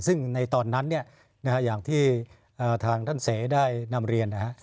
ซึ่งในตอนนั้นอย่างที่ทางท่านเสได้นำเรียนนะครับ